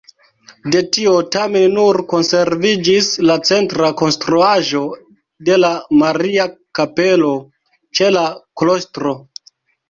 De tio tamen nur konserviĝis la centra konstruaĵo de la Maria-Kapelo ĉe la klostro.